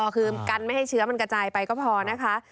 คือกันไม่ให้เชื้อมันกระจายไปก็พอนะคะ